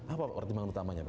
apa pertimbangan utamanya pak